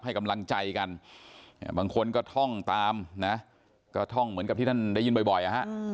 ให้กำลังใจกันบางคนก็ท่องตามนะก็ท่องเหมือนกับที่ท่านได้ยินบ่อยนะฮะ